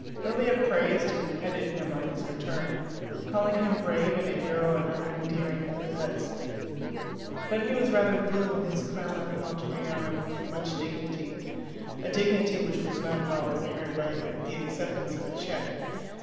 Lilia praised and petted him on his return, calling him brave and a hero and other endearing epithets. But he was rather blue when his clan left Monteriano in much dignity a dignity which was not at all impaired by the acceptance of a cheque.